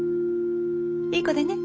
いい子でね。